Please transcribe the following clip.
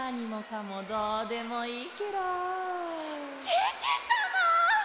けけちゃま！